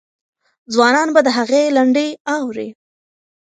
ځوانان به د هغې لنډۍ اوري.